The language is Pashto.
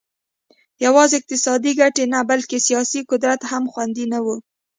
یوازې اقتصادي ګټې نه بلکې سیاسي قدرت هم خوندي نه و